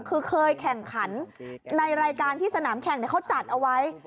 คือเคยแข่งขันในรายการที่สนามแข่งเขาจัดเอาไว้